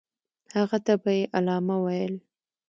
هغه ته به یې علامه ویل.